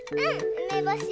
うめぼし。